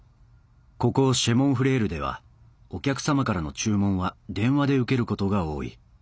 ここシェ・モン・フレールではお客様からの注文は電話で受けることが多い。